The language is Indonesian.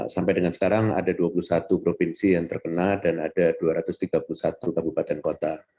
sampai dengan sekarang ada dua puluh satu provinsi yang terkena dan ada dua ratus tiga puluh satu kabupaten kota